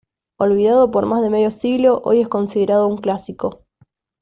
Olvidado por más de medio siglo, hoy es considerado un clásico.